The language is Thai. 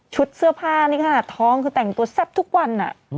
เสื้อผ้านี่ขนาดท้องคือแต่งตัวแซ่บทุกวัน